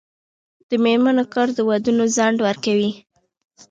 د میرمنو کار د ودونو ځنډ ورکوي.